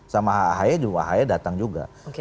sama ahae datang juga